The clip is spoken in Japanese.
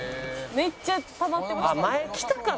「めっちゃたまってました」